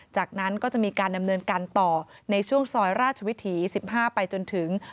จากนั้นก็จะมีการดำเนินการต่อในช่วงซอยราชวิถี๑๕ไปจนถึง